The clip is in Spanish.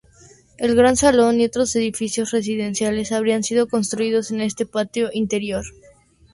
El gran salón y otros edificios residenciales habrían sido construidos en este patio interior.